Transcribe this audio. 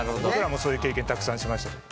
僕らもそういう経験たくさんしました。